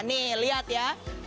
nih lihat ya